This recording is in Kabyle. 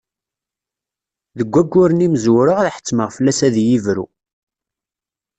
Deg wagguren imezwura ad ḥettmeɣ fell-as ad iyi-yebru.